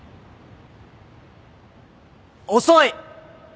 遅い！